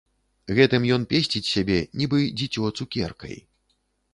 Гэтым ён песціць сябе, нібы дзіцё цукеркай.